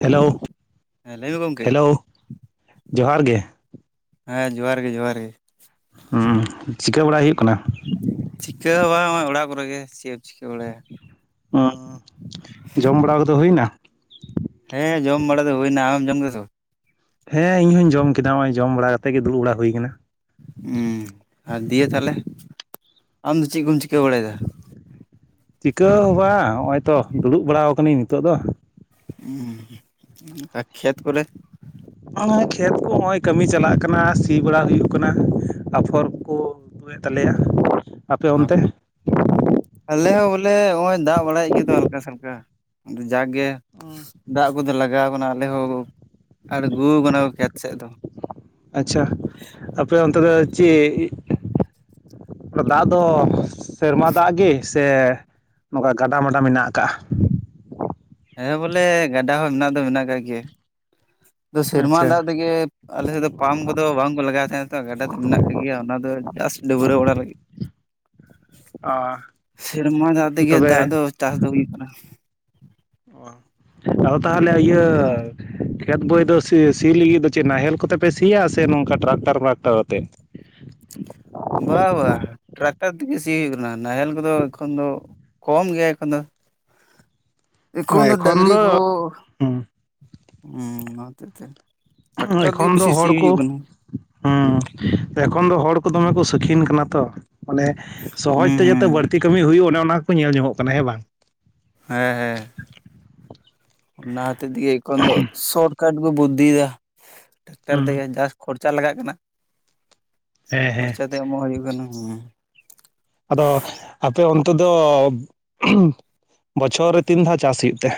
Hello, ᱦᱮᱸ ᱞᱟᱹᱭ ᱢᱮ ᱜᱚᱝᱠᱮ, ᱦᱮᱞᱳ ᱡᱚᱦᱟᱨ ᱜᱮ ᱦᱮᱸ ᱡᱚᱦᱟᱨ ᱜᱮ ᱡᱚᱦᱟᱨ ᱜᱮ᱾ ᱦᱩᱸ ᱪᱤᱠᱟᱹ ᱵᱟᱲᱟᱭ ᱦᱩᱭᱩᱜ ᱠᱟᱱᱟ? ᱪᱤᱠᱟᱹ ᱦᱚᱸ ᱵᱟᱝ ᱦᱚᱜᱼᱚᱭ ᱚᱲᱟᱜ ᱠᱚᱨᱮ ᱜᱮ ᱪᱮᱫ ᱮᱢ ᱪᱤᱠᱟᱹ ᱵᱟᱲᱟᱭᱟ᱾ ᱚ ᱡᱚᱢ ᱵᱟᱲᱟ ᱠᱚᱫᱚ ᱦᱩᱭ ᱱᱟ? ᱦᱮᱸ ᱡᱚᱢ ᱵᱟᱲᱟ ᱫᱚ ᱦᱩᱭᱱᱟ ᱟᱢᱮᱢ ᱡᱚᱢ ᱠᱮᱫᱟ ᱥᱮ ᱵᱟ? ᱦᱮᱸ ᱤᱧᱦᱚᱧ ᱡᱚᱢ ᱠᱮᱫᱟ ᱦᱚᱜᱼᱚᱭ ᱡᱚᱢ ᱵᱟᱲᱟ ᱠᱟᱛᱮ ᱜᱮ ᱫᱩᱲᱩᱵ ᱵᱟᱲᱟ ᱦᱩᱭ ᱠᱟᱱᱟ ᱾ ᱩᱸ ᱟᱨ ᱫᱤᱭᱮ ᱛᱟᱦᱚᱞᱮ ᱟᱢ ᱫᱚ ᱪᱮᱫ ᱠᱚᱢ ᱪᱤᱠᱟᱹ ᱵᱟᱲᱟᱭ ᱫᱟ? ᱪᱤᱠᱟᱹ ᱦᱚᱸ ᱵᱟᱝ ᱦᱚᱜᱼᱚᱭ ᱛᱚ ᱫᱩᱲᱩᱵ ᱵᱟᱲᱟ ᱟᱠᱟᱱᱟᱹᱧ ᱱᱤᱛᱚᱜ ᱫᱚ᱾ ᱟᱨ ᱠᱷᱮᱛ ᱠᱚᱨᱮ ᱚᱭ ᱠᱷᱮᱛ ᱠᱚ ᱦᱚᱜᱼᱚᱭ ᱠᱟᱹᱢᱤ ᱪᱟᱞᱟᱜ ᱠᱟᱱᱟ ᱥᱤ ᱵᱟᱲᱟ ᱦᱩᱭᱩᱜ ᱠᱟᱱᱟ ᱟᱯᱷᱚᱨ ᱠᱚ ᱮᱫ ᱛᱟᱞᱮᱭᱟ, ᱟᱯᱮ ᱚᱱᱛᱮ ᱟᱞᱮ ᱦᱚᱸ ᱵᱚᱞᱮ ᱦᱚᱜᱼᱚᱭ ᱫᱟᱜ ᱵᱟᱲᱟᱭᱮᱫ ᱜᱮᱫᱚ ᱦᱟᱞᱠᱟ ᱥᱟᱞᱠᱟ, ᱟᱫᱚ ᱡᱟᱠ ᱜᱮ ᱫᱟᱜ ᱟᱹᱜᱩ ᱫᱚ ᱞᱟᱜᱟᱣ ᱵᱚᱱᱟ ᱟᱞᱮ ᱦᱚᱸ ᱟᱬᱜᱩ ᱠᱟᱱᱟ ᱠᱚ ᱠᱷᱮᱛ ᱥᱮᱫ ᱫᱚ᱾ ᱟᱪᱪᱷᱟ ᱟᱯᱮ ᱚᱱᱛᱮ ᱫᱚ ᱪᱮᱫ ᱟᱫᱚ ᱫᱟᱜ ᱫᱚ ᱥᱮᱨᱢᱟ ᱫᱟᱜ ᱜᱮ ᱥᱮ ᱱᱚᱠᱟ ᱜᱟᱰᱟ ᱢᱟᱰᱟ ᱢᱮᱱᱟᱜ ᱟᱠᱟᱜᱼᱟ ᱾ ᱦᱮᱸ ᱵᱚᱞᱮ ᱜᱟᱰᱟ ᱦᱚᱸ ᱢᱮᱱᱟᱜ ᱫᱚ ᱢᱮᱱᱟᱜ ᱠᱟᱜ ᱜᱮᱭᱟ, ᱫᱚ ᱥᱮᱨᱢᱟ ᱟᱪᱪᱷᱟ ᱫᱟᱜ ᱛᱮᱜᱮ ᱟᱞᱮ ᱥᱮᱫ ᱫᱚ ᱯᱟᱢ ᱠᱚᱫᱚ ᱵᱟᱝ ᱠᱚ ᱞᱟᱜᱟᱣ ᱛᱟᱦᱮᱸᱫ ᱛᱚ ᱜᱟᱰᱟ ᱫᱚ ᱢᱮᱱᱟᱜ ᱠᱟᱫ ᱜᱮᱭᱟ ᱚᱱᱟ ᱫᱚ ᱡᱟᱥᱴ ᱰᱟᱹᱵᱽᱨᱟᱹᱣ ᱵᱟᱲᱟ ᱞᱟᱹᱜᱤᱫ᱾ [inaudible] ᱥᱮᱨᱢᱟ ᱫᱟᱜ ᱚ ᱛᱮᱜᱮ ᱛᱚᱵᱮ ᱫᱟᱜ ᱫᱚ ᱪᱟᱥ ᱫᱚ ᱦᱩᱭᱩᱜ ᱠᱟᱱᱟ ᱾ ᱟᱫᱚ ᱛᱟᱦᱚᱞᱮ ᱤᱭᱟᱹ ᱦᱩᱸ ᱠᱷᱮᱛ ᱵᱳᱭ ᱫᱚ ᱥᱤ ᱥᱤ ᱞᱟᱹᱜᱤᱫ ᱫᱚ ᱪᱮᱫ ᱱᱟᱦᱮᱞ ᱠᱚᱛᱮ ᱯᱮ ᱥᱤᱭᱟ ᱥᱮ ᱱᱚᱝᱠᱟ ᱴᱨᱟᱠᱴᱟᱨ ᱵᱨᱟᱠᱴᱟᱨ ᱟᱛᱮᱫ? ᱵᱟ ᱵᱟ ᱴᱨᱟᱠᱴᱟᱨ ᱛᱮᱜᱮ ᱥᱤ ᱦᱩᱭᱩᱜ ᱠᱟᱱᱟ ᱱᱟᱦᱮᱞ ᱠᱚᱫᱚ ᱮᱠᱷᱚᱱ ᱫᱚ ᱠᱚᱢ ᱜᱮᱭᱟ ᱮᱠᱷᱚᱱ ᱫᱚ᱾ ᱮᱠᱷᱚᱱ ᱦᱚᱸ ᱰᱟᱹᱝᱨᱤ ᱠᱚ, ᱦᱩᱸ ᱦᱩᱸ ᱚᱱᱟ ᱦᱚᱛᱮᱡ ᱛᱮ, ᱴᱨᱟᱠᱴᱟᱨ ᱛᱮᱜᱮ ᱮᱠᱷᱚᱱ ᱫᱚ ᱵᱮᱥᱤ ᱥᱤ ᱦᱚᱲ ᱠᱚ ᱦᱩᱭᱩᱜ ᱠᱟᱱᱟ ᱦᱩᱸ, ᱮᱠᱷᱚᱱ ᱫᱚ ᱦᱚᱲ ᱠᱚ ᱫᱚᱢᱮ ᱦᱩᱸ ᱠᱚ ᱥᱩᱠᱷᱤᱱ ᱠᱟᱱᱟ ᱛᱚ᱾ ᱢᱟᱱᱮ ᱥᱚᱦᱚᱡ ᱛᱮ ᱡᱟᱛᱮ ᱦᱩᱸ ᱵᱟᱹᱲᱛᱤ ᱠᱟᱹᱢᱤ ᱦᱩᱭᱩᱜ ᱚᱱᱮ ᱚᱱᱟ ᱠᱚᱠᱚ ᱧᱮᱞ ᱡᱚᱝ-ᱚᱜ ᱠᱟᱱᱟ ᱦᱮᱸ ᱵᱟᱝ? ᱦᱮᱸ ᱦᱮᱸ᱾ ᱚᱱᱟ ᱦᱚᱛᱮ ᱛᱮᱜᱮ ᱮᱠᱷᱚᱱ ᱫᱚ ᱥᱚᱴᱠᱷᱟᱴ ᱠᱚ ᱵᱩᱫᱽᱫᱷᱤ ᱫᱟ, ᱴᱟᱠᱴᱟᱨ ᱦᱩᱸ ᱛᱮᱜᱮ ᱡᱟᱥᱴ ᱠᱷᱚᱨᱪᱟ ᱞᱟᱜᱟᱜ ᱠᱟᱱᱟ, ᱦᱮᱸ ᱦᱮᱸ ᱠᱷᱚᱨᱪᱟ ᱫᱚ ᱮᱢᱚᱜ ᱦᱩᱭᱩᱜ ᱠᱟᱱᱟ᱾ᱦᱩᱸ᱾ ᱟᱫᱚ ᱟᱯᱮ ᱚᱱᱛᱮ ᱫᱚ ᱵᱚᱪᱷᱚᱨ ᱨᱮ ᱛᱤᱱ ᱫᱷᱟᱹᱣ ᱪᱟᱥ ᱦᱩᱭᱩᱜ ᱛᱮ?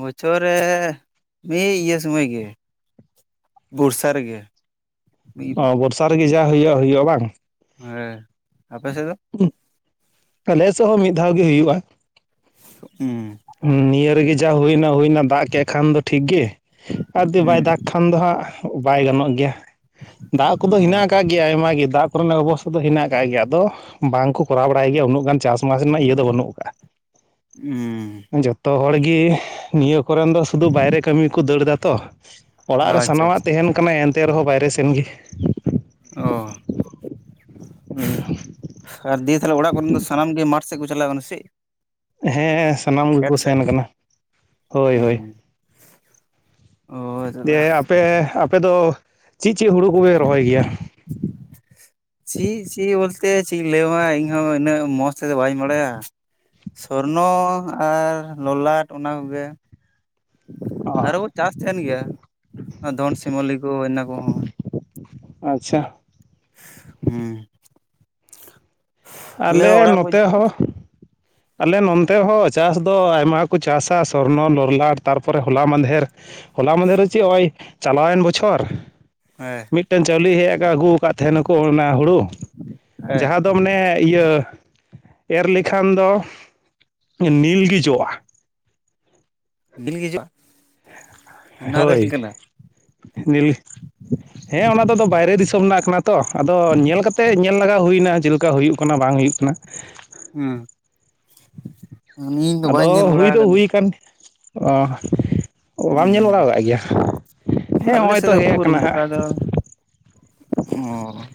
ᱵᱚᱪᱷᱚᱨ ᱨᱮ ᱢᱤᱫ ᱤᱭᱟᱹ ᱥᱢᱚᱭ ᱜᱮ᱾ ᱵᱚᱨᱥᱟ ᱨᱮᱜᱮ᱾ ᱢᱤᱫ ᱚ, ᱵᱚᱨᱥᱟ ᱨᱮᱜᱮ ᱡᱟ ᱦᱩᱭᱩᱜ ᱦᱩᱭᱩᱜ-ᱟ ᱵᱟᱝ? ᱦᱮᱸ᱾ ᱟᱯᱮ ᱥᱮᱜ ᱫᱚ? ᱟᱞᱮ ᱥᱮᱜ ᱦᱚᱸ ᱢᱤᱫ ᱫᱷᱟᱹᱣ ᱜᱮ ᱦᱩᱭᱩᱜ-ᱟ᱾ ᱦᱩᱸ ᱾ ᱦᱩᱸ, ᱱᱤᱭᱟᱹ ᱨᱮᱜᱮ ᱡᱟ ᱦᱩᱭᱱᱟ ᱦᱩᱭᱱᱟ, ᱫᱟᱜ ᱠᱮᱫ ᱠᱷᱟᱱ ᱫᱚ ᱴᱷᱤᱠ ᱜᱮ ᱟᱨ ᱡᱩᱫᱤ ᱦᱩᱸ ᱵᱟᱭ ᱫᱟᱜ ᱠᱷᱟᱱ ᱫᱚ ᱦᱟᱸᱜ ᱵᱟᱭ ᱜᱟᱱᱚᱜ ᱜᱮᱭᱟ, ᱫᱟᱜ ᱠᱚᱫᱚ ᱚ ᱦᱮᱱᱟᱜ ᱠᱟᱜ ᱜᱮ ᱜᱮᱭᱟ ᱟᱭᱢᱟ ᱜᱮ ᱫᱟᱜ ᱠᱚᱨᱮᱱᱟᱜ ᱚᱵᱚᱥᱛᱟ ᱫᱚ ᱦᱮᱱᱟᱜ ᱟᱠᱟᱫ ᱜᱮᱭᱟ᱾ ᱟᱫᱚ ᱵᱟᱝ ᱠᱚ ᱠᱚᱨᱟᱣ ᱵᱟᱲᱟᱭ ᱜᱮᱭᱟ, ᱩᱱᱟᱹᱜ ᱜᱟᱱ ᱪᱟᱥ-ᱢᱟᱥ ᱨᱮᱱᱟᱜ ᱤᱭᱟᱹ ᱫᱚ ᱵᱟᱹᱱᱩᱜ ᱠᱟᱜ-ᱟ᱾ ᱦᱩᱸᱻ ᱡᱷᱚᱛᱚ ᱦᱚᱲ ᱜᱮ ᱱᱤᱭᱟᱹ ᱠᱚᱨᱮᱱ ᱫᱚ ᱥᱩᱫᱷᱩ ᱵᱟᱭᱨᱮ ᱠᱟᱹᱢᱤ ᱠᱚ ᱫᱟᱹᱲ ᱫᱟ ᱛᱚ, ᱚᱲᱟᱜ ᱨᱮ ᱟᱪᱪᱷᱟ ᱥᱟᱱᱟᱢᱟᱜ ᱟᱪᱪᱷᱟ ᱛᱟᱦᱮᱱ ᱠᱟᱱᱟ ᱮᱱᱛᱮ ᱨᱮᱦᱚᱸ ᱵᱟᱭᱨᱮ ᱥᱮᱱ ᱜᱮ᱾ ᱚ᱾ ᱦᱩᱸᱻ ᱟᱨ ᱫᱤᱭᱮ ᱛᱟᱦᱞᱮ ᱚᱲᱟᱜ ᱠᱚᱨᱮᱱ ᱫᱚ ᱥᱟᱱᱟᱢ ᱜᱮ ᱢᱟᱴᱷ ᱥᱮᱫ ᱠᱚ ᱪᱟᱞᱟ ᱠᱟᱱᱟ ᱥᱮᱜ? ᱦᱮᱸ, ᱥᱟᱱᱟᱢ ᱜᱮᱠᱚ ᱥᱮᱱ ᱠᱟᱱᱟ᱾ ᱦᱳᱭ ᱦᱳᱭ᱾ ᱦᱩᱸ ᱚ᱾ ᱫᱟᱫᱟ ᱫᱤᱭᱮ ᱟᱯᱮ ᱟᱯᱮ ᱫᱚ, ᱪᱮᱫ ᱪᱮᱫ ᱦᱩᱲᱩ ᱠᱚ ᱯᱮ ᱨᱚᱦᱚᱭ ᱜᱮᱭᱟ? ᱪᱮᱜ ᱪᱮᱜ ᱵᱚᱞᱛᱮ ᱪᱮᱜ ᱤᱧ ᱞᱟᱹᱭ ᱟᱢᱟ? ᱤᱧᱦᱚᱸ ᱩᱱᱟᱹᱜ ᱢᱚᱸᱡᱽ ᱛᱮᱫᱚ ᱵᱟᱹᱧ ᱵᱟᱲᱟᱭᱟ᱾ ᱥᱚᱨᱱᱚ ᱟᱨ ᱞᱚᱞᱟᱴ ᱚᱱᱟ ᱠᱚᱜᱮ ᱾ ᱚ ᱟᱨᱚ ᱪᱟᱥ ᱛᱟᱦᱮᱱ ᱜᱮᱭᱟ, ᱚᱱᱟ ᱫᱷᱚᱱ ᱥᱤᱢᱚᱞᱤ ᱠᱚ ᱦᱳᱭ-ᱚᱱᱟ ᱠᱚᱦᱚᱸ᱾ ᱟᱪᱪᱷᱟ᱾ ᱦᱩᱸ᱾ ᱟᱞᱮ ᱚᱲᱟᱜ ᱠᱚ ᱱᱚᱛᱮ ᱦᱚᱸ ᱟᱞᱮ ᱱᱚᱱᱛᱮ ᱦᱚᱸ ᱪᱟᱥ ᱫᱚ ᱟᱭᱢᱟ ᱠᱚ ᱪᱟᱥᱟ ᱥᱚᱨᱱᱚ ᱞᱚᱨᱞᱟᱴ, ᱛᱟᱨᱯᱚᱨᱮ ᱦᱚᱞᱟ ᱢᱟᱫᱷᱮᱨ ᱦᱚᱞᱟ ᱢᱟᱫᱷᱮᱨ ᱫᱚ ᱪᱮᱜ? ᱱᱚᱜ-ᱚᱭ ᱪᱟᱞᱟᱣᱮᱱ ᱵᱚᱪᱷᱚᱨ ᱦᱮᱸ᱾ ᱢᱤᱫᱴᱮᱱ ᱪᱟᱣᱞᱮ ᱦᱮᱡ ᱟᱠᱚ ᱟᱹᱜᱩ ᱟᱠᱟᱫ ᱛᱟᱦᱮᱸᱱᱟᱠᱚ, ᱚᱱᱟ ᱦᱩᱲᱩ ᱦᱮᱸ ᱡᱟᱦᱟᱸ ᱫᱚ ᱢᱟᱱᱮ ᱤᱭᱟᱹ ᱮᱨ ᱞᱮᱠᱷᱟᱱ ᱫᱚ ᱱᱤᱞᱜᱮ ᱡᱚᱜ-ᱟ᱾ ᱰᱤᱞ ᱜᱮ ᱡᱚᱜ-ᱟ? ᱦᱳᱭ, ᱱᱤᱞ ᱦᱮᱸ, ᱚᱱᱟ ᱫᱚ ᱫᱚ ᱵᱟᱭᱨᱮ ᱫᱤᱥᱚᱢ ᱨᱮᱱᱟᱜ ᱠᱟᱱᱟ ᱛᱚ᱾ ᱟᱫᱚ ᱧᱮᱞ ᱠᱟᱛᱮ ᱧᱮᱞ ᱞᱟᱜᱟᱣ ᱦᱩᱭᱱᱟ ᱾ ᱪᱮᱫᱠᱟ ᱦᱩᱭᱩᱜ ᱠᱟᱱᱟ ᱵᱟᱝ ᱦᱩᱭᱩᱜ ᱠᱟᱱᱟ? ᱦᱩᱸ᱾ ᱤᱧ ᱫᱚ ᱟᱫᱚ ᱵᱟᱹᱧ ᱧᱮᱞ ᱦᱩᱭ ᱵᱟᱲᱟ ᱫᱚ ᱟᱠᱟᱫᱟ ᱦᱩᱭ ᱠᱟᱱ ᱜᱮᱭᱟ, ᱚ ᱚ, ᱵᱟᱢ ᱧᱮᱞ ᱵᱟᱲᱟ ᱦᱩᱸ ᱠᱟᱜ ᱜᱮᱭᱟ? ᱦᱮᱸ, ᱟᱞᱮ ᱦᱚᱜ-ᱚᱭ ᱥᱮᱫ ᱛᱚ ᱫᱚ ᱦᱮᱡ ᱩᱠᱩᱨ ᱠᱟᱱᱟ ᱦᱟᱸᱜ᱾ ᱚᱱᱠᱟ ᱫᱚ ᱚ᱾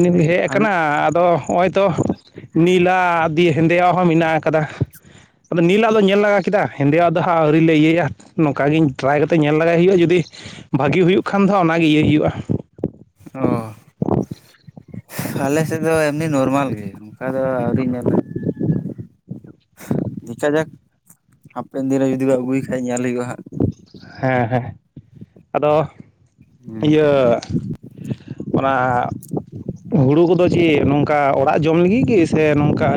ᱱᱤᱞ ᱦᱮᱡ ᱟᱞᱮ ᱟᱠᱟᱱᱟ ᱟ ᱟᱫᱚ ᱦᱚᱸᱜ-ᱚᱭ ᱛᱚ ᱱᱤᱞᱟ ᱫᱤᱭᱮ ᱦᱮᱸᱫᱮᱭᱟᱜ ᱦᱚ ᱢᱮᱱᱟᱜ ᱟᱠᱟᱫᱟ᱾ ᱟᱫᱚ ᱱᱤᱞᱟᱜ ᱫᱚ ᱧᱮᱞ ᱞᱮᱜᱟ ᱠᱮᱫᱟ᱾ ᱦᱮᱸᱫᱮᱣᱟᱜ ᱫᱚ ᱦᱟᱸᱜ ᱟᱹᱣᱨᱤ ᱞᱮ ᱤᱭᱟᱹᱭᱟ ᱱᱚᱝᱠᱟ ᱜᱤᱧ ᱴᱮᱨᱟᱭ ᱠᱟᱛᱮ ᱧᱮᱞ ᱞᱮᱜᱟᱭ ᱦᱩᱭᱩᱜ-ᱟ ᱡᱩᱫᱤ ᱵᱷᱟᱹᱜᱤ ᱦᱩᱭᱩᱜ ᱠᱷᱟᱱ ᱫᱚ ᱚᱱᱟᱜᱮ ᱤᱭᱟᱹᱭ ᱦᱩᱭᱩᱜ-ᱟ᱾ ᱚ ᱟᱞᱮ ᱥᱮᱫ ᱫᱚ ᱮᱢᱱᱤ ᱱᱚᱨᱢᱟᱞ ᱜᱮ᱾ ᱚᱠᱟ ᱫᱚ ᱟᱹᱣᱨᱤᱧ ᱧᱮᱞᱟ ᱫᱤᱠᱷᱟ ᱡᱟᱠ ᱦᱟᱯᱮᱱ ᱫᱤᱱᱨᱮ ᱡᱩᱫᱤ ᱠᱚ ᱟᱹᱜᱩᱭ ᱠᱷᱟᱡ ᱧᱮᱞ ᱦᱩᱭᱩᱜ-ᱟ ᱦᱟᱸᱜ ᱦᱮᱸ ᱦᱮᱸ ᱟᱫᱚ ᱦᱮᱸ ᱤᱭᱟᱹ ᱚᱱᱟ ᱦᱩᱲᱩ ᱠᱚᱫᱚ ᱪᱮᱫ ᱱᱚᱝᱠᱟ ᱚᱲᱟᱜ ᱡᱚᱢ ᱞᱟᱹᱜᱤᱫ ᱜᱮ ᱥᱮ ᱱᱚᱝᱠᱟ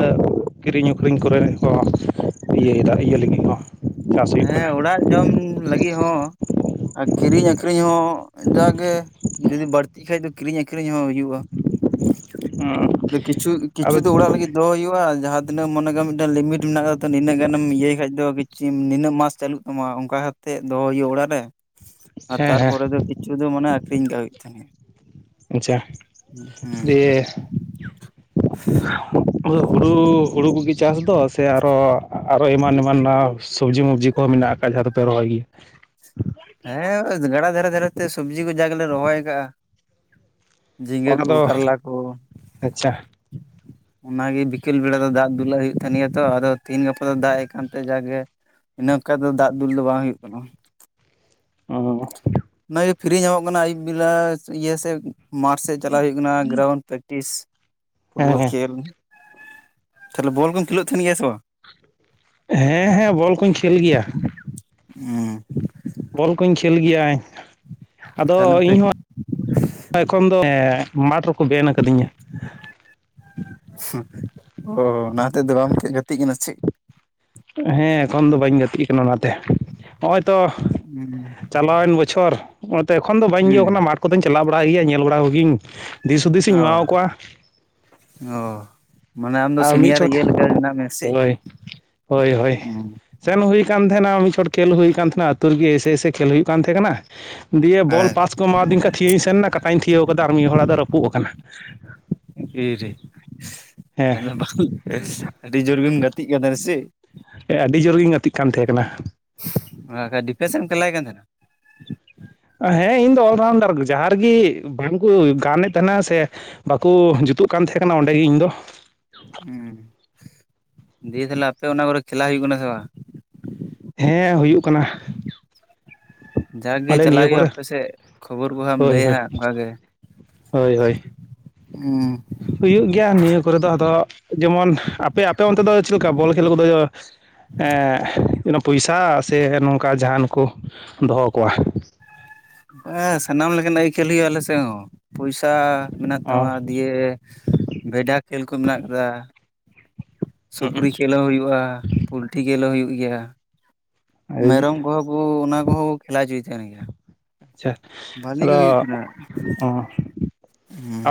ᱠᱤᱨᱤᱧ ᱟᱹᱠᱷᱨᱤᱧ ᱠᱚᱨᱮ ᱠᱚ ᱤᱭᱟᱹᱭᱮᱫᱟ ᱤᱭᱟᱹ ᱞᱟᱹᱜᱤᱫ ᱦᱚᱸ ᱪᱟᱥ ᱦᱩᱭᱩᱜ ᱦᱮᱸ ᱠᱟᱱᱟ ᱚᱲᱟᱜ ᱡᱚᱢ ᱞᱟᱹᱜᱤᱫ ᱦᱚᱸ ᱟᱨ ᱠᱤᱨᱤᱧ ᱟᱹᱠᱷᱨᱤᱧ ᱦᱚᱸ ᱡᱟᱜᱮ ᱡᱩᱫᱤ ᱵᱟᱹᱲᱛᱤᱜ ᱠᱷᱟᱡ ᱫᱚ ᱠᱤᱨᱤᱧ ᱟᱹᱠᱷᱨᱤᱧ ᱦᱚᱸ ᱦᱩᱭᱩᱜ-ᱟ᱾ ᱫᱚ ᱠᱤᱪᱷᱩ ᱠᱤᱪᱷᱩ ᱟᱫᱚ ᱫᱚ ᱚᱲᱟᱜ ᱞᱟᱹᱜᱤᱫ ᱫᱚᱦᱚᱭ ᱦᱩᱭᱩᱜ-ᱟ ᱡᱟᱦᱟᱸ ᱛᱤᱱᱟᱹᱜ ᱢᱚᱱᱮ ᱠᱟᱜ ᱢᱤᱫᱴᱮᱡ ᱞᱤᱢᱤᱴ ᱢᱮᱱᱟᱜ ᱠᱟᱫᱟ ᱛᱚ ᱱᱤᱱᱟᱹᱜ ᱜᱟᱱᱮᱢ ᱤᱭᱟᱹᱭ ᱠᱷᱟᱡ ᱫᱚ ᱠᱤᱪᱷᱤ ᱱᱤᱱᱟᱹᱜ ᱢᱟᱥ ᱪᱟᱹᱞᱩᱜ ᱛᱟᱢᱟ ᱚᱝᱠᱟ ᱠᱟᱛᱮᱜ ᱫᱚᱦᱚ ᱦᱩᱭᱩᱜ-ᱟ ᱚᱲᱟᱜ ᱨᱮ ᱟᱨ ᱦᱮᱸ ᱦᱮᱸ ᱛᱟᱨᱯᱚᱨᱮ ᱫᱚ ᱠᱤ ᱪᱷᱩ ᱫᱚ ᱢᱟᱱᱮ ᱟᱹᱠᱷᱨᱤᱧ ᱠᱟ ᱦᱩᱭᱩᱜ ᱛᱟᱢᱟ᱾ ᱟᱪᱪᱷᱟ ᱫᱤᱭᱮ ᱟᱫᱚ ᱦᱩᱲᱩ ᱦᱩᱲᱩ ᱠᱚᱜᱮ ᱪᱟᱥ ᱫᱚ ᱥᱮ ᱟᱨᱚ ᱟᱨᱚ ᱮᱢᱟᱱ ᱮᱢᱟᱱᱟᱜ ᱥᱚᱵᱽᱡᱤ ᱢᱚᱵᱽᱡᱤ ᱠᱚᱦᱚᱸ ᱢᱮᱱᱟᱜ ᱟᱠᱟᱫ ᱡᱟᱦᱟᱸ ᱫᱚᱯᱮ ᱨᱚᱦᱚᱭ ᱜᱮᱭᱟ ᱦᱮᱸ ᱜᱟᱰᱟ ᱫᱷᱟᱨᱮ ᱫᱷᱟᱨᱮ ᱛᱮ ᱥᱚᱵᱽᱡᱤ ᱠᱚ ᱡᱟ ᱜᱮᱞᱮ ᱨᱚᱦᱚᱭ ᱠᱟᱜ-ᱟ᱾ ᱡᱷᱤᱸᱜᱟᱹ ᱚᱱᱟ ᱠᱩ, ᱫᱚ ᱠᱟᱨᱞᱟ ᱠᱩ [unintelligible] ᱚᱱᱟᱜᱮ ᱵᱤᱠᱮᱞ ᱵᱮᱲᱟ ᱫᱚ ᱫᱟᱜ ᱫᱩᱞᱟᱜ ᱦᱩᱭᱩᱜ ᱛᱟᱦᱮᱱ ᱜᱮᱭᱟ ᱛᱚ ᱟᱫᱚ ᱛᱤᱦᱤᱧ ᱜᱟᱯᱟ ᱫᱚ ᱫᱟᱜ-ᱮᱜ ᱠᱟᱱᱛᱮ ᱡᱟᱜᱮ ᱤᱱᱟᱹ ᱚᱱᱠᱟ ᱫᱚ ᱫᱟᱜ ᱫᱩᱞ ᱫᱚ ᱵᱟᱝ ᱦᱩᱭᱩᱜ ᱠᱟᱱᱟ᱾ ᱚᱸ ᱚᱱᱟᱜᱮ ᱯᱷᱤᱨᱤ ᱧᱟᱢᱚᱜ ᱠᱟᱱᱟ ᱟᱹᱭᱩᱵ ᱵᱮᱞᱟ ᱥᱮ ᱤᱭᱟᱹ ᱥᱮᱫ᱾ ᱢᱟᱴᱷ ᱥᱮᱫ ᱪᱟᱞᱟᱜ ᱦᱩᱭᱩᱜ ᱠᱟᱱᱟ ᱜᱨᱟᱣᱩᱱᱰ ᱯᱨᱮᱠᱴᱤᱥ ᱦᱮᱸ ᱯᱷᱩᱴᱵᱚᱞ ᱦᱮᱸ ᱠᱷᱮᱞ᱾ ᱛᱟᱞᱚᱦᱮ ᱵᱚᱞ ᱠᱚᱢ ᱠᱷᱮᱞᱮᱜ ᱛᱟᱦᱮᱱ ᱜᱮᱭᱟ ᱥᱮ ᱵᱟᱝ? ᱦᱮᱸ ᱦᱮᱸ ᱵᱚᱞ ᱠᱩᱧ ᱠᱷᱮᱞ ᱜᱮᱭᱟ᱾ ᱩᱸ ᱵᱚᱞ ᱠᱚᱧ ᱠᱷᱮᱞ ᱜᱮᱭᱟ ᱟᱫᱚ ᱛᱟᱦᱚᱞᱮ ᱯᱮ ᱤᱧ ᱦᱚᱸ ᱮᱠᱷᱚᱱ ᱫᱚ ᱮᱸ ᱢᱟᱴᱷ ᱨᱮᱠᱚ ᱵᱮᱱ ᱟᱠᱟᱫᱤᱧᱟ᱾ ᱚ ᱚᱱᱟ ᱛᱮᱫᱚ ᱵᱟᱢ ᱜᱟᱛᱮᱜ ᱠᱟᱱᱟ ᱥᱮ ᱪᱮᱫ? ᱦᱮᱸ ᱮᱠᱷᱚᱱ ᱫᱚ ᱵᱟᱹᱧ ᱜᱟᱹᱛᱤᱜ ᱠᱟᱱᱟ ᱚᱱᱟᱛᱮ ᱦᱚᱸᱜ-ᱚᱭ ᱛᱚ ᱦᱩᱸ ᱪᱟᱞᱟᱣᱮᱱ ᱵᱚᱪᱷᱚᱨ ᱱᱚᱸᱜ-ᱚᱭ ᱛᱚ ᱮᱠᱷᱚᱱ ᱫᱚ ᱵᱟᱹᱧ ᱤᱭᱟᱹᱣ ᱦᱩᱸ ᱠᱟᱱᱟ ᱢᱟᱴ ᱠᱚᱫᱚᱧ ᱪᱟᱞᱟᱣ ᱵᱟᱲᱟ ᱜᱮᱭᱟ ᱧᱮᱞ ᱵᱟᱲᱟ ᱠᱚ ᱜᱤᱧ ᱫᱤᱥ-ᱦᱩᱫᱤᱥ ᱤᱧ ᱚ ᱮᱢᱟᱣ ᱠᱚᱣᱟ᱾ ᱚ ᱢᱟᱱᱮ ᱟᱢᱫᱚ ᱟᱨ ᱢᱤᱫ ᱥᱤᱱᱤᱭᱟᱨ ᱪᱚᱴ ᱤᱭᱟᱹ ᱞᱮᱠᱟ ᱢᱮᱱᱟᱜ ᱢᱮᱭᱟ ᱥᱮᱫ? ᱦᱳᱭ ᱦᱳᱭ ᱦᱳᱭ ᱥᱮᱱ ᱦᱩᱭ ᱠᱟᱱ ᱛᱟᱦᱮᱱᱟ ᱢᱤᱫ ᱪᱚᱴ ᱠᱷᱮᱞ ᱦᱩᱭ ᱠᱟᱱ ᱛᱟᱦᱮᱱᱟ ᱟᱹᱛᱩ ᱨᱮᱜᱮ ᱮᱭᱥᱮ-ᱮᱥᱮ ᱠᱷᱮᱞ ᱦᱩᱭᱩᱜ ᱠᱟᱱ ᱛᱟᱦᱮᱸ ᱠᱟᱱᱟ᱾ ᱫᱤᱭᱮ ᱵᱚᱞ ᱦᱮᱸ ᱯᱟᱥ ᱠᱚ ᱮᱢᱟᱣ ᱫᱤᱧ ᱠᱷᱟᱡ ᱛᱷᱤᱭᱟᱹᱭᱤᱧ ᱥᱮᱱ ᱱᱟ ᱠᱟᱴᱟᱧ ᱛᱷᱤᱭᱟᱹᱣ ᱠᱟᱫᱟ ᱟᱨ ᱢᱤᱫ ᱦᱚᱲᱟᱜ ᱫᱚ ᱨᱟᱹᱯᱩᱜ ᱟᱠᱟᱱᱟ᱾ ᱮ ᱨᱮ ᱦᱮᱸ ᱟᱫᱚ ᱵᱟᱢ ᱟᱹᱰᱤ ᱡᱩᱨ ᱜᱮᱢ ᱜᱟᱛᱮᱜ ᱠᱟᱱᱟ ᱥᱮ? ᱦᱮᱸ ᱟᱹᱰᱤ ᱡᱳᱨᱜᱤᱧ ᱜᱟᱛᱮᱜ ᱠᱟᱱ ᱛᱟᱦᱮᱸ ᱠᱟᱱᱟ᱾ [unintelligible] ᱰᱤᱯᱮᱱᱥ ᱮᱢ ᱠᱷᱞᱟᱭᱮᱫ ᱠᱟᱱ ᱛᱟᱦᱮᱱᱟ? ᱦᱮᱸ ᱤᱧ ᱫᱚ ᱚᱞ ᱨᱟᱣᱩᱱᱰᱟᱨ ᱡᱟᱦᱟᱸ ᱨᱮᱜᱮ ᱵᱟᱝᱠᱚ ᱜᱟᱱᱮᱫ ᱛᱟᱦᱮᱱᱟ ᱥᱮ ᱵᱟᱠᱚ ᱡᱩᱛᱩᱜ ᱠᱟᱱ ᱛᱟᱦᱮᱸ ᱠᱟᱱᱟ ᱚᱸᱰᱮᱜᱮ ᱤᱧᱫᱚ ᱦᱮᱸ ᱫᱤᱭᱮ ᱛᱟᱦᱞᱮ ᱟᱯᱮ ᱚᱱᱟ ᱠᱚᱨᱮ ᱠᱷᱮᱞᱟ ᱦᱩᱭᱩᱜ ᱠᱟᱱᱟ ᱥᱮ ᱵᱟᱝ? ᱦᱮᱸ ᱦᱩᱭᱩᱜ ᱠᱟᱱᱟ ᱡᱟᱜᱮ ᱟᱞᱮ ᱪᱟᱞᱟᱜ ᱱᱤᱭᱟᱹ ᱦᱩᱭᱩᱜᱼᱟ ᱠᱚᱨᱮ ᱟᱯᱮᱥᱮᱫ ᱠᱷᱚᱵᱚᱨ ᱠᱚ ᱦᱟᱸ ᱮᱢ ᱦᱳᱭ ᱞᱟᱹᱭᱟ ᱦᱳᱭ ᱦᱟᱸᱜ ᱚᱱᱠᱟᱜ ᱜᱮ ᱦᱳᱭ ᱦᱳᱭ, ᱚᱸ ᱦᱩᱭᱩᱜ ᱜᱮᱭᱟ ᱱᱤᱭᱟᱹ ᱠᱚᱨᱮ ᱫᱚ ᱟᱫᱚ ᱡᱮᱢᱚᱱ ᱟᱯᱮ ᱟᱯᱮ ᱚᱱᱛᱮ ᱫᱚ ᱪᱮᱫ ᱞᱮᱠᱟ ᱵᱚᱞ ᱠᱷᱮᱞ ᱠᱚᱫᱚ ᱮᱸ ᱯᱚᱭᱥᱟ ᱥᱮ ᱱᱚᱝᱠᱟ ᱡᱟᱦᱟᱱ ᱠᱚ ᱫᱚᱦᱚ ᱠᱚᱣᱟ ᱦᱮᱸ ᱥᱟᱱᱟᱢ ᱞᱮᱠᱟᱱᱟᱜ ᱠᱷᱮᱞ ᱦᱩᱭᱩᱜ-ᱟ ᱟᱞᱮ ᱥᱮ ᱦᱚᱸ ᱯᱚᱭᱥᱟ ᱢᱮᱱᱟᱜ ᱚ ᱛᱟᱢᱟ ᱤᱭᱟᱹ ᱵᱷᱮᱰᱟ ᱠᱷᱮᱞ ᱠᱚ ᱢᱮᱱᱟᱜ ᱠᱟᱫᱟ᱾ ᱦᱩᱸᱜ-ᱩ ᱥᱩᱠᱨᱤ ᱡᱷᱮᱞ ᱦᱚᱸ ᱦᱩᱭᱩᱜᱼᱟ, ᱯᱩᱞᱴᱤ ᱠᱷᱮᱞ ᱦᱚᱸ ᱦᱩᱭᱩᱜ ᱜᱮᱭᱟ, ᱢᱮᱨᱚᱢ ᱟᱪᱪᱷᱟ ᱠᱚᱦᱚᱸ ᱚᱻ ᱚᱱᱟ ᱠᱚᱸᱦᱚ ᱠᱚ ᱠᱷᱮᱞᱟ ᱪᱚᱭ ᱛᱟᱸᱦᱮᱫ ᱜᱮᱭᱟ᱾ ᱟᱪᱪᱷᱟ ᱵᱷᱟᱞᱤ ᱟᱫᱚ ᱜᱮ ᱦᱩᱭᱩᱜ ᱛᱟᱦᱮᱱᱟ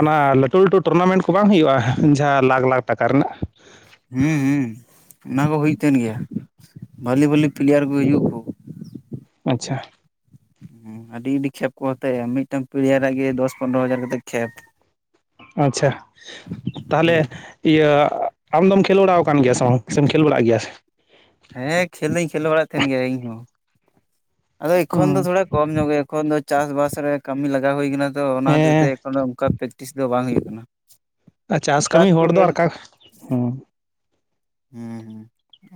ᱚᱱᱟ ᱞᱟᱹᱴᱩ ᱞᱟᱹᱴᱩ ᱴᱩᱨᱱᱟᱢᱮᱱᱴ ᱠᱚ ᱵᱟᱝ ᱦᱩᱭᱩᱜᱼᱟ ᱡᱟᱦᱟᱸ ᱞᱟᱠᱷ ᱞᱟᱠᱷ ᱴᱟᱠᱟ ᱨᱮᱱᱟᱜ᱾ ᱦᱩᱸ ᱦᱩᱸ ᱚᱱᱟ ᱠᱚᱸᱦᱚ ᱦᱩᱭᱩᱜ ᱛᱟᱸᱦᱮᱱ ᱜᱮᱭᱟ ᱵᱷᱟᱹᱞᱤ ᱵᱷᱟᱹᱞᱤ ᱯᱞᱮᱭᱟᱨ ᱠᱚ ᱦᱤᱡᱩᱜ ᱟᱠᱩ ᱟᱪᱪᱷᱟ᱾ ᱦᱮᱸ ᱟᱹᱰᱤ ᱟᱹᱰᱤ ᱠᱷᱮᱯ ᱠᱚ ᱦᱟᱛᱟᱣ ᱮᱜ ᱟ᱾ ᱢᱤᱫᱴᱟᱝ ᱯᱞᱤᱭᱟᱨᱟᱜ ᱜᱮ ᱫᱚᱥ ᱯᱚᱱᱨᱚ ᱦᱟᱡᱟᱨ ᱠᱟᱛᱮᱫ ᱠᱷᱮᱯ ᱟᱪᱪᱷᱟ ᱛᱟᱦᱚᱞᱮ ᱤᱭᱟᱹ ᱟᱢᱫᱚᱢ ᱠᱷᱮᱞ ᱵᱟᱲᱟᱣ ᱟᱠᱟᱱ ᱜᱮᱭᱟ ᱥᱮ ᱵᱟᱝ? ᱥᱮᱢ ᱠᱷᱮᱞ ᱵᱟᱲᱟᱜ ᱜᱮᱭᱟ᱾ ᱦᱮᱸ ᱠᱷᱮᱞ ᱫᱚᱧ ᱠᱷᱮᱞ ᱵᱟᱲᱟᱜ ᱛᱟᱸᱦᱮᱱ ᱜᱮᱭᱟ ᱤᱧ ᱦᱚᱸ ᱟᱫᱚ ᱮᱠᱷᱚᱱ ᱫᱚ ᱛᱷᱚᱲᱟ ᱠᱚᱢ ᱧᱚᱜ ᱜᱮ ᱮᱠᱷᱚᱱ ᱫᱚ ᱪᱟᱥ ᱵᱟᱟᱥ ᱨᱮ ᱠᱟᱹᱢᱤ ᱞᱟᱜᱟᱣ ᱦᱩᱭ ᱟᱠᱟᱱᱟ ᱟᱫᱚ ᱚᱱᱟ ᱦᱚᱛᱮᱡ ᱛᱮ ᱦᱮᱸ ᱮᱠᱷᱚᱱ ᱚᱱᱠᱟ ᱯᱮᱠᱴᱤᱥ ᱫᱚ ᱵᱟᱝ ᱦᱩᱭᱩᱜ ᱠᱟᱱᱟ᱾ ᱴᱟᱠ ᱴᱩᱠᱮᱢ ᱦᱚᱸ᱾ ᱦᱩᱸ ᱦᱩᱸ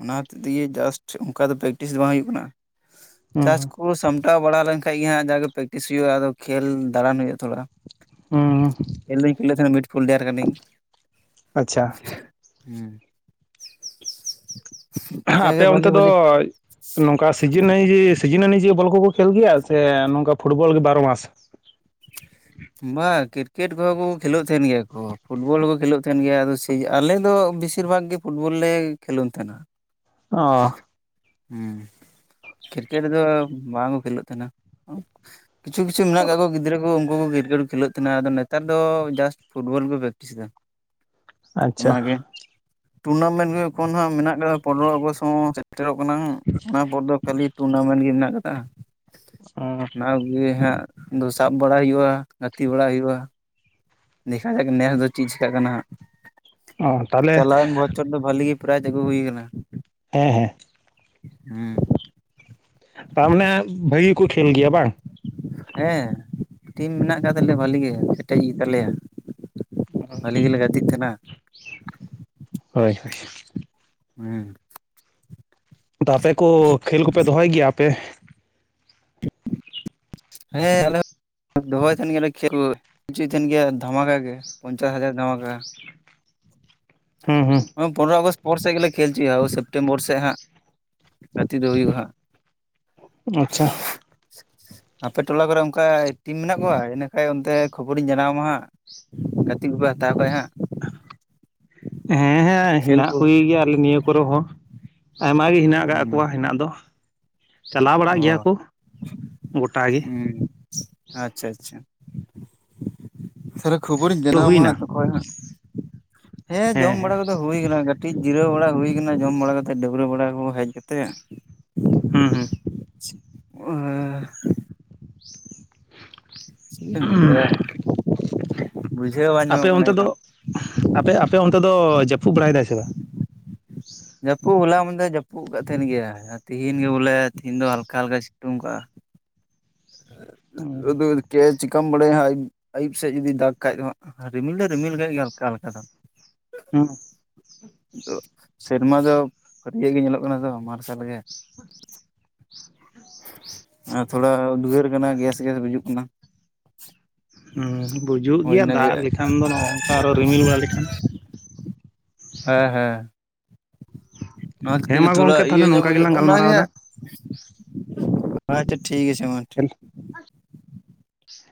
ᱚᱱᱟ ᱦᱚᱛᱮᱡ ᱛᱮᱜᱮ ᱡᱟᱥᱴ ᱚᱱᱠᱟ ᱫᱚ ᱯᱮᱠᱴᱤᱥ ᱫᱚ ᱵᱟᱝ ᱦᱩᱭᱩᱜ ᱠᱟᱱᱟ᱾ ᱪᱟᱥ ᱦᱩᱸ ᱠᱚ ᱥᱟᱢ ᱴᱟᱣ ᱵᱟᱲᱟ ᱞᱮᱱᱠᱷᱟᱱ ᱜᱮ ᱦᱟᱸᱜ ᱡᱟᱜᱮ ᱯᱮᱠᱴᱤᱥ ᱦᱩᱭᱩᱜᱼᱟ ᱟᱫᱚ ᱠᱷᱮᱞ ᱫᱟᱬᱟᱱ ᱦᱩᱭᱩᱜᱼᱟ ᱛᱷᱚᱲᱟ᱾ ᱦᱩᱸ ᱤᱧ ᱫᱩᱧ ᱠᱷᱮᱞᱮᱫ ᱛᱟᱸᱦᱮᱫ ᱢᱤᱴ ᱯᱷᱤᱞᱰᱟᱨ ᱠᱟᱹᱱᱟᱹᱧ᱾ ᱟᱪᱪᱷᱟ ᱦᱩᱸ᱾ ᱡᱟᱜᱮ ᱟᱯᱮ ᱚᱱᱛᱮ ᱵᱷᱟᱞᱤ ᱫᱚ ᱵᱷᱟᱞᱤ ᱱᱚᱝᱠᱟ ᱥᱤᱡᱤᱱᱟᱭᱤᱡᱤᱥᱴ ᱥᱤᱡᱤᱱ ᱚᱱᱩᱡᱟᱭᱤ ᱵᱚᱞ ᱠᱚᱠᱚ ᱠᱷᱮᱞ ᱜᱮᱭᱟ ᱥᱮ ᱱᱚᱝᱠᱟ ᱯᱷᱩᱴᱵᱚᱞ ᱜᱮ ᱵᱟᱨᱚ ᱢᱟᱥ? ᱵᱟᱝ ᱠᱨᱤᱠᱮᱴ ᱠᱚᱦᱚᱸ ᱠᱚ ᱠᱷᱮᱞᱳᱜ ᱛᱟᱸᱦᱮᱱ ᱜᱮᱭᱟ ᱠᱚ ᱯᱷᱩᱴᱵᱚᱞ ᱦᱚᱸᱠᱚ ᱠᱷᱮᱞᱳᱜ ᱛᱟᱹᱦᱮᱱ ᱜᱮᱭᱟ ᱟᱫᱚ ᱟᱞᱮ ᱫᱚ ᱵᱮᱥᱤᱨ ᱵᱷᱟᱜᱽ ᱜᱮ ᱯᱷᱩᱴᱵᱚᱞ ᱞᱮ ᱠᱷᱮᱞᱳᱱ ᱛᱟᱸᱦᱮᱱᱟ᱾ ᱚ᱾ ᱦᱩᱸ, ᱠᱨᱤᱠᱮᱴ ᱫᱚ ᱵᱟᱝᱠᱚ ᱠᱷᱮᱞᱳᱜ ᱛᱟᱸᱦᱮᱱᱟ᱾ ᱠᱤᱪᱷᱩ ᱠᱤᱪᱷᱩ ᱢᱮᱱᱟᱜ ᱠᱚᱣᱟ ᱜᱤᱫᱽᱨᱟᱹ ᱠᱩ ᱩᱱᱠᱩ ᱠᱚ ᱜᱤᱨ ᱡᱳᱲ ᱠᱷᱮᱞᱳᱜ ᱛᱟᱸᱦᱮᱱᱟ ᱟᱫᱚ ᱱᱮᱛᱟᱨ ᱫᱚ ᱡᱟᱥᱴ ᱯᱷᱩᱴᱵᱚᱞ ᱠᱚ ᱯᱮᱠᱴᱤᱥ ᱮᱫᱟ᱾ ᱟᱪᱪᱷᱟ ᱚᱱᱟᱜᱮ ᱴᱩᱨᱱᱟᱢᱮᱱᱴ ᱜᱮ ᱮᱠᱷᱚᱱ ᱦᱟᱸᱜ ᱢᱮᱱᱟᱜ ᱠᱟᱫᱟ ᱯᱚᱱᱨᱚ ᱟᱜᱚᱥᱴ ᱦᱚᱸ ᱥᱮᱴᱮᱨᱚᱜ ᱠᱟᱱᱟ ᱦᱟᱸᱜ ᱚᱱᱟ ᱯᱚᱨ ᱫᱚ ᱠᱷᱟᱹᱞᱤ ᱴᱩᱨᱱᱟᱢᱮᱱᱴ ᱜᱮ ᱢᱮᱱᱟᱜ ᱠᱟᱫᱟ᱾ ᱚᱸ, ᱟᱵᱽᱜᱮ ᱦᱟᱸᱜ ᱫᱚ ᱥᱟᱵ ᱵᱟᱲᱟᱭ ᱦᱩᱭᱩᱜᱼᱟ ᱜᱟᱛᱮ ᱵᱟᱲᱟ ᱦᱩᱭᱩᱜᱼᱟ᱾ ᱫᱮᱠᱷᱟ ᱦᱟᱠ ᱱᱮᱥ ᱫᱚ ᱪᱮᱫ ᱪᱮᱠᱟᱜ ᱠᱟᱱᱟ ᱦᱟᱸᱜ ᱚ ᱛᱟᱦᱚᱞᱮ ᱪᱟᱞᱟᱣᱮᱱ ᱵᱚ ᱪᱷᱚᱨ ᱫᱚ ᱵᱷᱟᱞᱤ ᱜᱮ ᱯᱨᱟᱡᱽ ᱟᱹᱜᱩ ᱦᱩᱭ ᱟᱠᱟᱱᱟ᱾ ᱦᱮᱸ ᱦᱮᱸ᱾ ᱦᱩᱸ᱾ ᱛᱟᱨ ᱢᱟᱱᱮ ᱵᱷᱟᱹᱜᱤ ᱜᱮᱠᱚ ᱠᱷᱮᱞ ᱜᱮᱭᱟ ᱵᱟᱝ? ᱦᱮᱸ ᱴᱤᱢ ᱢᱮᱱᱟᱜ ᱠᱟᱜ ᱛᱟᱞᱮᱭᱟ ᱵᱷᱟᱹᱞᱤ ᱜᱮ ᱠᱮᱴᱮᱡ ᱜᱮ ᱛᱟᱞᱮᱭᱟ᱾ ᱚ ᱦᱳᱭ ᱦᱮᱸ᱾ ᱟᱫᱚ ᱟᱯᱮ ᱠᱚ ᱠᱷᱮᱞ ᱠᱚᱯᱮ ᱫᱚᱦᱚᱭ ᱜᱮᱭᱟ ᱟᱯᱮ? [unintelligible] ᱦᱮᱸ ᱟᱞᱮ ᱦᱚᱸ ᱫᱚᱦᱚᱭ ᱛᱟᱸᱦᱮᱱ ᱜᱮᱭᱟᱞᱮ ᱠᱷᱮᱞ [unintelligible] ᱫᱷᱟᱢᱟᱠᱟ ᱜᱮ ᱯᱚᱧᱪᱟᱥ ᱦᱟᱡᱟᱨ ᱫᱷᱟᱢᱟᱠᱟ᱾ ᱦᱩᱸ ᱦᱩᱸ ᱯᱚᱱᱨᱚᱭ ᱟᱜᱚᱥᱴ ᱯᱚᱨ ᱥᱮᱫ ᱜᱮᱞᱮ ᱠᱷᱮᱞ ᱪᱚᱭᱟ ᱳᱭ ᱥᱮᱯᱴᱮᱢᱵᱚᱨ ᱥᱮᱫ ᱦᱟᱸᱜ᱾ ᱜᱟᱛᱤ ᱫᱚ ᱦᱩᱭᱩᱜᱼᱟ ᱦᱟᱸᱜ᱾ ᱟᱪᱪᱷᱟ [unintelligible] ᱟᱯᱮ ᱴᱚᱞᱟ ᱠᱚᱨᱮ ᱚᱱᱠᱟ ᱴᱤᱢ ᱢᱮᱱᱟᱜ ᱠᱚᱣᱟ ᱤᱱᱟᱹᱠᱷᱟᱡ ᱚᱱᱛᱮ ᱠᱷᱚᱵᱚᱨᱤᱧ ᱡᱟᱱᱟᱣ ᱟᱢᱟ ᱦᱟᱸᱜ᱾ ᱜᱟᱛᱮ ᱠᱚᱠᱚ ᱦᱟᱛᱟᱣ ᱠᱟᱜ ᱦᱟᱸᱜ᱾ ᱦᱮᱸ ᱦᱮᱸ ᱦᱮᱱᱟᱜ ᱠᱚ ᱜᱮᱭᱟ ᱟᱞᱮ ᱱᱤᱭᱟᱹ ᱠᱚᱨᱮ ᱦᱚᱸ᱾ ᱟᱭᱢᱟ ᱜᱮ ᱦᱤᱱᱟᱜ ᱠᱟᱜ ᱦᱩᱸ ᱠᱚᱣᱟ ᱦᱮᱱᱟᱜ ᱫᱚ᱾ ᱪᱟᱞᱟᱣ ᱵᱟᱲᱟᱜ ᱚ ᱜᱤᱭᱟ ᱠᱩ ᱜᱩᱴᱟ ᱜᱮ᱾ ᱦᱩᱸ ᱟᱪᱪᱷᱟ ᱟᱪᱪᱷᱟ ᱛᱟᱦᱚᱞᱮ ᱠᱷᱚᱵᱚᱨᱤᱧ ᱛᱚ ᱡᱮᱱᱟᱣ ᱦᱟᱸᱜ ᱦᱩᱭᱱᱟ ᱛᱚᱠᱷᱚᱱ ᱦᱟᱸᱜ। ᱦᱮᱸ ᱡᱚᱢ ᱵᱟᱲᱟ ᱠᱚᱫᱚ ᱦᱩᱭ ᱠᱟᱹᱴᱤᱡ ᱡᱤᱨᱟᱹᱣ ᱵᱟᱲᱟ ᱦᱩᱭ ᱠᱟᱱᱟ ᱡᱚᱢ ᱵᱟᱲᱟ ᱠᱟᱛᱮᱫ ᱰᱟᱹᱵᱽᱲᱟᱹ ᱵᱟᱲᱟ ᱠᱚ ᱦᱮᱡ ᱠᱟᱛᱮᱫ᱾ ᱦᱩᱸ ᱪᱮᱫ ᱮᱢ ᱦᱩᱸ ᱪᱤᱠᱟᱹᱭᱟ ᱵᱩᱡᱷᱟᱹᱣ ᱵᱟᱝ ᱧᱟᱢᱚᱜ ᱟᱯᱮ ᱠᱟᱱᱟ ᱚᱱᱛᱮ ᱫᱚ ᱮᱠᱷᱚᱱ ᱟᱯᱮ ᱟᱯᱮ ᱚᱱᱛᱮ ᱫᱚ ᱡᱟᱹᱯᱩᱫ ᱵᱟᱲᱟᱭ ᱫᱟᱭ ᱥᱮ ᱵᱟᱝ? ᱡᱟᱹᱯᱩᱫ ᱦᱚᱞᱟ ᱢᱮᱱᱫᱷᱮᱨ ᱡᱟᱹᱯᱩᱫ ᱠᱟᱫ ᱛᱟᱦᱮᱱ ᱜᱮᱭᱟ ᱛᱤᱦᱤᱧ ᱜᱮ ᱵᱚᱞᱮ ᱛᱤᱦᱧ ᱫᱚ ᱦᱟᱞᱠᱟᱼ ᱦᱟᱞᱠᱟ ᱥᱤᱛᱩᱝ ᱠᱟᱜᱼᱟ᱾ [unintelligible] ᱪᱤᱠᱟᱢ ᱵᱟᱰᱟᱭᱟ ᱦᱟᱸᱜ ᱟᱭᱩᱵ ᱥᱮᱫ ᱡᱩᱫᱤ ᱫᱟᱜ ᱠᱷᱟᱡ ᱫᱚ ᱦᱟᱸᱜ ᱨᱤᱢᱤᱞ ᱫᱚᱭ ᱨᱤᱢᱤᱞ ᱠᱟᱜ ᱜᱮᱭᱟ ᱦᱟᱞᱠᱟ ᱦᱟᱞᱠᱟ ᱫᱚ ᱾ [unintelligible] ᱥᱮᱨᱢᱟ ᱫᱚ ᱯᱷᱟᱹᱨᱭᱟᱹ ᱜᱮ ᱧᱮᱞᱚᱜ ᱠᱟᱱᱟ ᱛᱚ ᱢᱟᱨᱥᱟᱞ ᱜᱮ᱾ [unintelligible] ᱟᱨ ᱛᱷᱚᱲᱟ ᱩᱫᱽᱜᱟᱹᱨ ᱠᱟᱱᱟ ᱜᱮᱥ ᱜᱮᱥ ᱵᱩᱡᱩᱜ ᱠᱟᱱᱟ᱾ ᱵᱩᱡᱩᱜ ᱦᱳᱭ ᱜᱮᱭᱟ ᱤᱱᱟᱹᱜᱮ ᱫᱟᱜ ᱞᱮᱠᱷᱟᱱ ᱫᱚ ᱱᱚᱜᱚᱝᱠᱟ ᱟᱨᱚ ᱨᱤᱢᱤᱞ ᱵᱟᱲᱟ ᱞᱮᱠᱷᱟᱱ᱾ ᱦᱮᱸ ᱦᱮᱸ ᱱᱚᱭᱟ ᱠᱷᱟᱹᱛᱤᱨ ᱦᱮᱸ ᱜᱮ ᱢᱟ ᱛᱷᱚᱲᱟ ᱜᱚᱝᱠᱮ ᱤᱭᱟᱹ ᱛᱟᱦᱚᱞᱮ ᱧᱚᱜ ᱱᱚᱝᱠᱟ ᱜᱮᱞᱟᱝ [unintelligible] ᱚᱱᱟ ᱜᱮ ᱜᱟᱞᱢᱟᱨᱟᱣ ᱮᱫᱟ ᱦᱟᱸᱜ᱾ ᱟᱪᱪᱷᱟ ᱴᱷᱤᱠ ᱟᱪᱷᱮ ᱢᱟ᱾ ᱴᱷᱤᱠ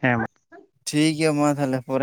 ᱦᱮᱸ ᱢᱟ᱾ ᱴᱷᱤᱠ ᱜᱤᱭᱟ ᱢᱟ ᱛᱟᱦᱚᱞᱮ ᱯᱚᱨᱮ